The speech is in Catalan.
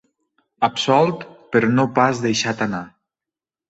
Absolt, però no pas deixat anar.